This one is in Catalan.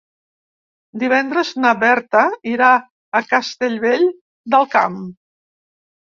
Divendres na Berta irà a Castellvell del Camp.